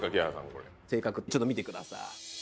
これ性格ちょっと見てください